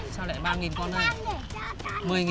sao lại ba con đây